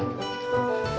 oke ini dia